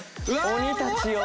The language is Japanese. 鬼たちよ